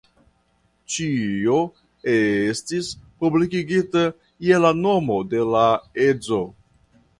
Ĉio estis publikigita je la nomo de la edzo.